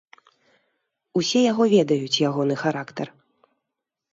Усе яго ведаюць, ягоны характар.